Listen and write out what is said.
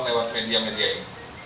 lewat media media ini